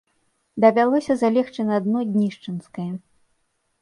Давялося залегчы на дно днішчанскае.